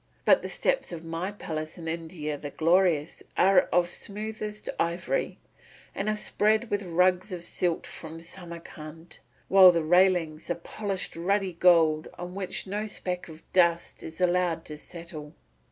But the steps of my palace in India the Glorious are of smoothest ivory, and are spread with rugs of silk from Samarcand, while the railings are of polished ruddy gold on which no speck of dust is allowed to settle.